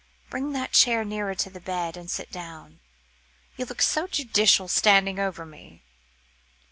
Bring that chair nearer to the bed, and sit down. You look so judicial standing over me."